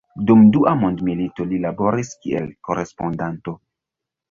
Dum Dua mondmilito li laboris kiel korespondanto.